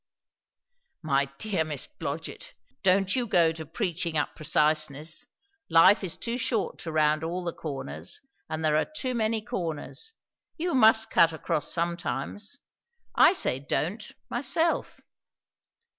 "My dear Miss Blodgett! don't you go to preaching up preciseness. Life is too short to round all the corners; and there are too many corners. You must cut across sometimes. I say 'don't,' myself."